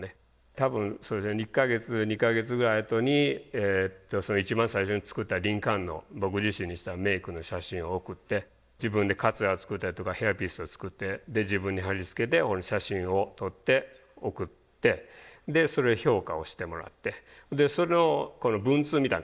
多分それで２か月２か月ぐらいあとに一番最初に作ったリンカーンの僕自身にしたメイクの写真を送って自分でかつら作ったりとかヘアピースを作ってで自分に貼り付けて写真を撮って送ってでそれを評価をしてもらってその文通みたいな感じですね。